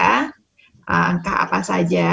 langkah apa saja